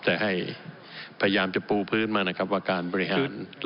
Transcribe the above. แต่ให้พยายามจะปูพื้นมานะครับว่าการบริหาร